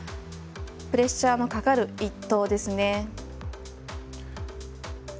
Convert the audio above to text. プレッシャーのかかる一投ですね。